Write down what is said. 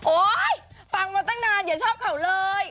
ฟังมาตั้งนานอย่าชอบเขาเลย